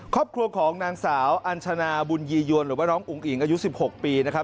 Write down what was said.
ครอบครัวของนางสาวอัญชนาบุญยียวนหรือว่าน้องอุ๋งอิ๋งอายุ๑๖ปีนะครับ